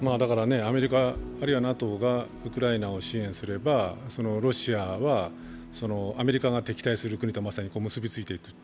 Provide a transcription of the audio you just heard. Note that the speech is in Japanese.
アメリカあるいはＮＡＴＯがウクライナを支援すればロシアはアメリカが敵対する国とまさに結びついていく。